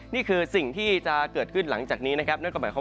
นี่คือสิ่งที่จะเกิดขึ้นหลังจากนี้นะครับนั่นก็หมายความว่า